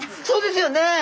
そうですよね。